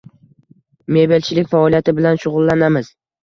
mebelchilik faoliyati bilan shug‘ullanamiz.